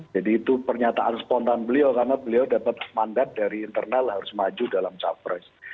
jadi itu pernyataan spontan beliau karena beliau dapat mandat dari internal harus maju dalam pilpres